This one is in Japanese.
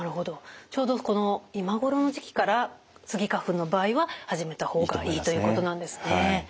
ちょうどこの今頃の時期からスギ花粉の場合は始めた方がいいということなんですね。